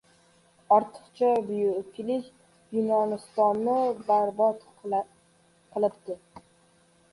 • Ortiqcha buyuklik Yunonistonni barbod qilibdi.